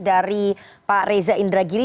dari pak reza indragiri